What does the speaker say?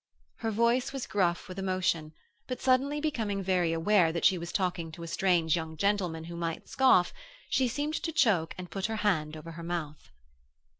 Her voice was gruff with emotion, but, suddenly becoming very aware that she was talking to a strange young gentleman who might scoff, she seemed to choke and put her hand over her mouth.